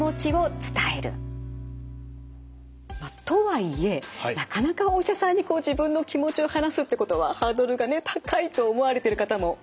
とはいえなかなかお医者さんに自分の気持ちを話すってことはハードルがね高いと思われてる方も多いようなんです。